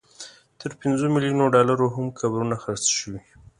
تر پنځو ملیونو ډالرو هم قبرونه خرڅ شوي.